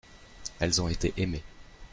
Elles ont été aimées.